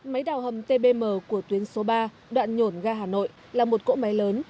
máy đào hầm tbm của tuyến số ba đoạn nhổn ga hà nội là một cỗ máy lớn